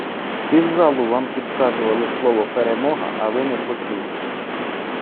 Пів залу Вам підказували слово "перемога", а Ви не почули.